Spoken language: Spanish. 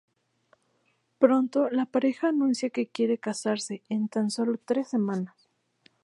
Pronto la pareja anuncia que quiere casarse, en tan solo tres semanas.